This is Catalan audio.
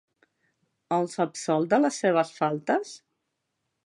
Els absol de les seves faltes?